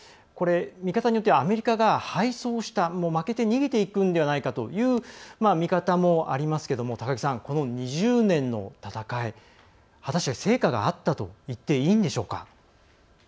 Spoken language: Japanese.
見方によってはアメリカが敗走した負けて逃げていくんだという見方もありますけどもこの２０年の戦い果たして成果があったといっていいんでしょうか？